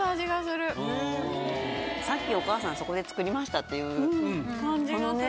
さっきお母さんそこで作りましたっていうそのね